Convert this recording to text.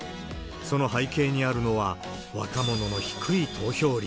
その背景にあるのは、若者の低い投票率。